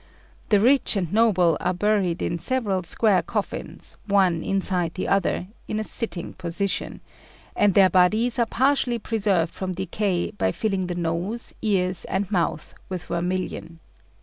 The rich and noble are buried in several square coffins, one inside the other, in a sitting position; and their bodies are partially preserved from decay by filling the nose, ears, and mouth with vermilion.